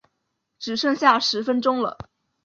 只剩下十分钟了